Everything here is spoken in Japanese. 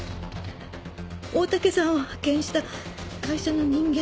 大竹さんを派遣した会社の人間。